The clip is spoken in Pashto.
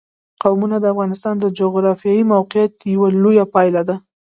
قومونه د افغانستان د جغرافیایي موقیعت یوه لویه پایله ده.